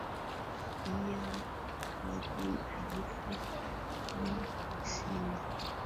i ya watu elfu kumi nchini humo tayari wameambukizwa ugonjwa huo